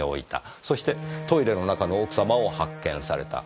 そしてトイレの中の奥様を発見された。